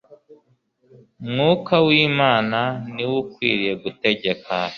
Mwuka wImana ni We ukwiriye gutegeka